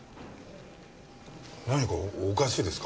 何かおかしいですか？